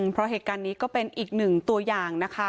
เพราะเหตุการณ์นี้ก็เป็นอีกหนึ่งตัวอย่างนะคะ